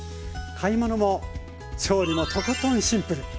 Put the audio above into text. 買い物も調理もとことんシンプル。